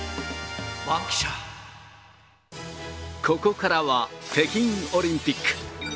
ここからは北京オリンピック。